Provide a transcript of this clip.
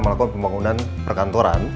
melakukan pembangunan perkantoran